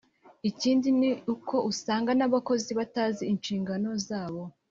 Ikindi ni uko usanga n’abakozi batazi inshingano zabo